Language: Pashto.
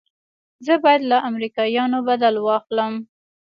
زه بايد له امريکايانو بدل واخلم.